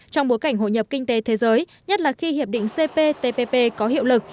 trong bối cảnh hội nhập kinh tế thế giới nhất là khi hiệp định cptpp có hiệu lực